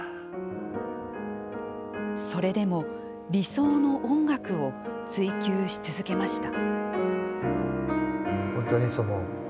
それでも、理想の音楽を追求し続けました。